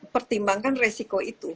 dan dia pertimbangkan resiko itu